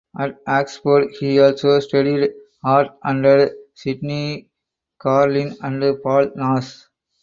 At Oxford he also studied art under Sydney Carline and Paul Nash.